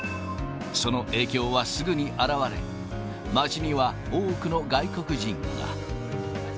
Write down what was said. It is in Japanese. その影響はすぐに表れ、街には多くの外国人が。